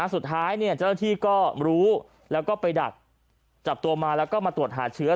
เจ้าหน้าที่ก็รู้แล้วก็ไปดักจับตัวมาแล้วก็มาตรวจหาเชื้อ